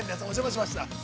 お邪魔しました。